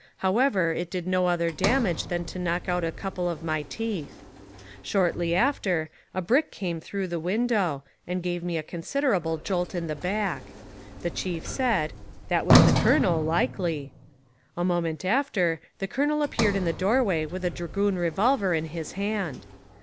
However, it did no other damage than to knock out a couple of my teeth. Shortly after, a brick came through the window, and gave me a considerable jolt in the back. The chief said : "That was the colonel, likely." A moment after, the colonel appeared in the doorway with a dragoon revolver in his hand.